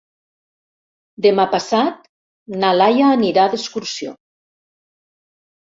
Demà passat na Laia anirà d'excursió.